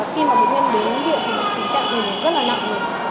khi mà bệnh viên đến bệnh viện thì tình trạng này rất là nặng